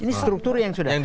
ini struktur yang sudah